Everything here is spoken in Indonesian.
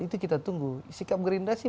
itu kita tunggu sikap gerindra sih